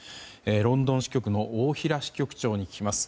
ロンドン支局の大平支局長に聞きます。